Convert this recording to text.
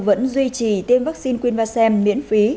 vẫn duy trì tiêm vaccine quinvasem miễn phí